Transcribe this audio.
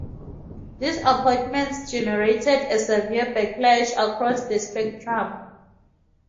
These appointments generated a severe backlash across the spectrum.